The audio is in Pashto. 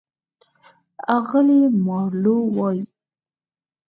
اغلې مارلو وايي: